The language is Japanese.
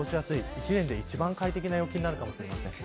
一年で一番快適な陽気になるかもしれません。